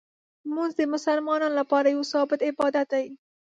لمونځ د مسلمانانو لپاره یو ثابت عبادت دی.